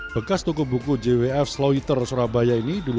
bekas toko buku jwf slow eater surabaya ini